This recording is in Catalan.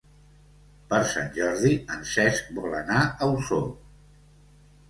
Per Sant Jordi en Cesc vol anar a Osor.